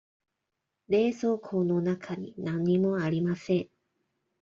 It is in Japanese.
冷蔵庫の中に何もありません。